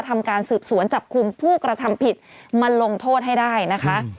ทำการสืบสวนจับกลุ่มผู้กระทำผิดมาลงโทษให้ได้นะคะ